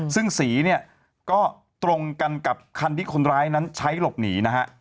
ซึ่งศรีก็ตรงกันกับคัณฑิคคนร้ายนั้นใช้หลบหนีนะฮะ